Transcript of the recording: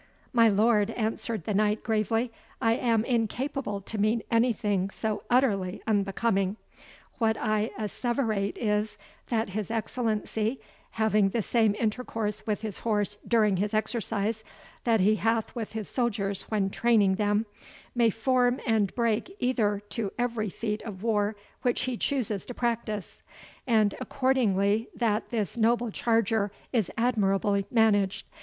"My lord," answered the knight gravely, "I am incapable to mean anything so utterly unbecoming. What I asseverate is, that his Excellency, having the same intercourse with his horse during his exercise, that he hath with his soldiers when training them, may form and break either to every feat of war which he chooses to practise, and accordingly that this noble charger is admirably managed.